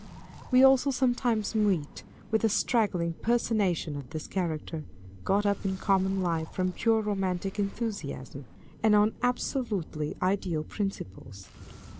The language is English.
We also sometimes meet with a straggling personation of this character, got up in common life from pure romantic enthusiasm, and on absolutely ideal principles.